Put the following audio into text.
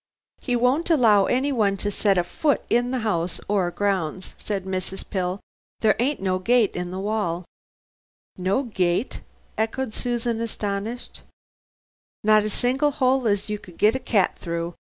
"He won't allow anyone to set a foot in the house or grounds," said Mrs. Pill, "there ain't no gate in the wall " "No gate," echoed Susan astonished. "Not a single 'ole as you could get a cat through.